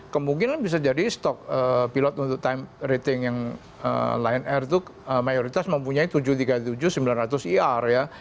kemungkinan bisa jadi stok pilot untuk time rating yang lion air itu mayoritas mempunyai tujuh ratus tiga puluh tujuh sembilan ratus er ya